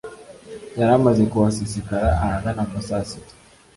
yari amaze kuhasesekara ahagana mu ma saa sita